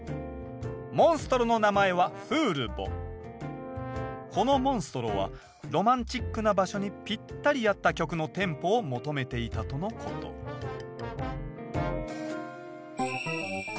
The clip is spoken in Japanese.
モンストロの名前はこのモンストロはロマンチックな場所にぴったり合った曲のテンポを求めていたとのことまずはＡ